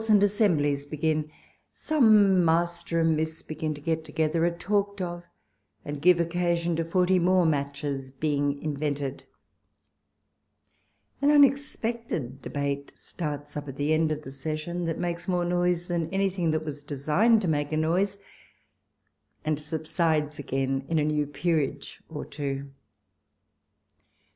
and assemblies begin ; some master and miss begin to get together, are talked of, and give occasion to forty more matches being invented ; an unexpected debate starts up at the end of the session, that makes more noise than any thing that was designed to make a noise, and subsides again in a new peerage or two.